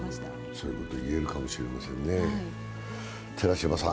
そういうことが言えるかもしれませんね。